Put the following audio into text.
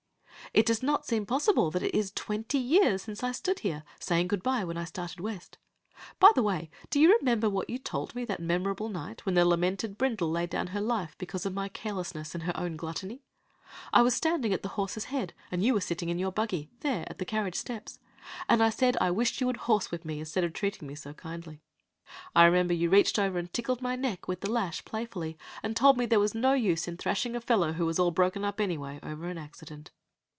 "It does not seem possible that it is twenty years since I stood here, saying good by when I started West. By the way, do you remember what you told me that memorable night when the lamented Brindle laid down her life because of my carelessness, and her own gluttony? I was standing at the horse's head, and you were sitting in your buggy, there at the carriage steps, and I said I wished you would horsewhip me, instead of treating me so kindly. I remember you reached over and tickled my neck with the lash playfully, and told me there was no use in thrashing a fellow who was all broken up, anyway, over an accident."